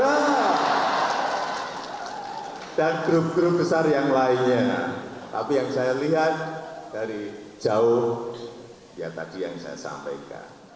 tapi yang saya lihat dari jauh ya tadi yang saya sampaikan